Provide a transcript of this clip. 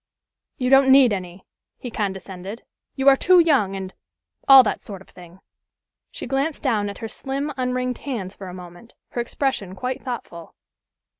"You don't need any," he condescended. "You are too young, and all that sort of thing." She glanced down at her slim, unringed hands for a moment, her expression quite thoughtful.